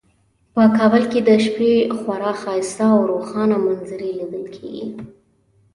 په کابل کې د شپې خورا ښایسته او روښانه منظرې لیدل کیږي